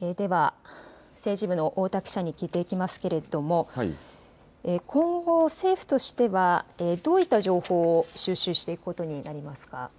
では政治部の太田記者に聞いていきますけれども今後、政府としてはどういった情報を収集していくことになりますか。